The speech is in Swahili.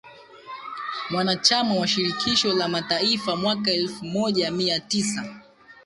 mwanachama wa Shirikisho la Mataifa mwaka elfu Moja mia Tisa